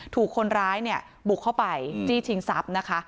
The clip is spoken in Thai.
ถูกคนร้ายเนี่ยบุกเข้าไปจี้ชิงทรัพย์นะคะ